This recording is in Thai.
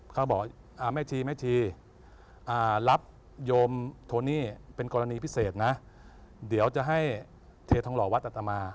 เขาบอกแม่ชีแม่ชีรับโยมโทนี่เป็นกรณีพิเศษนะเดี๋ยวจะให้เททองหล่อวัดอัตมา